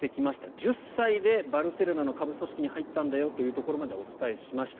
１０歳でバルセロナの下部組織に入ったんだよというところまではお伝えしました。